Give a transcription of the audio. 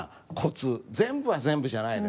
全部は全部じゃないですけどね。